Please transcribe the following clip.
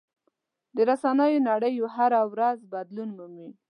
د رسنیو نړۍ هره ورځ بدلون مومي.